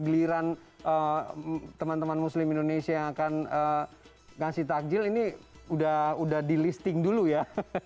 giliran teman teman muslim indonesia yang akan ngasih takjil ini udah di listing dulu ya